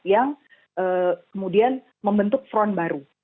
yang kemudian membentuk front baru